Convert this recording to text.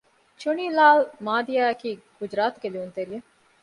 ޗުނީ ލާލް މާދިއާ އަކީ ގުޖުރާތުގެ ލިޔުންތެރިއެއް